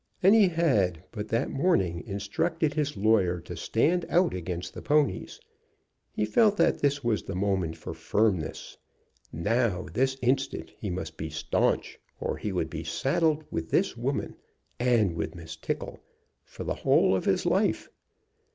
And he had, but that morning, instructed his lawyer to stand out against the ponies. He felt that this was the moment for firmness. Now, this instant, he must be staunch, or he would be saddled with this woman, and with Miss Tickle, for the whole of his life.